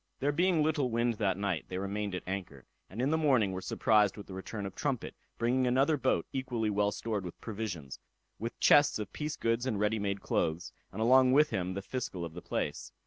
There being little wind that night, they remained at anchor, and in the morning were surprised with the return of Trumpet, bringing another boat equally well stored with provisions, with chests of piece goods and ready made clothes, and along with him the fiscal of the place.